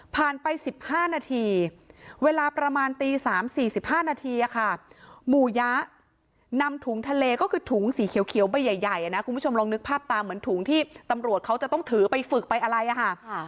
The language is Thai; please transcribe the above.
ไป๑๕นาทีเวลาประมาณตี๓๔๕นาทีค่ะหมู่ยะนำถุงทะเลก็คือถุงสีเขียวใบใหญ่นะคุณผู้ชมลองนึกภาพตามเหมือนถุงที่ตำรวจเขาจะต้องถือไปฝึกไปอะไรอะค่ะ